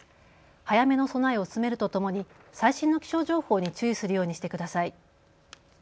早めの備えを進めるとともに最新の気象情報に注意するようにしてください。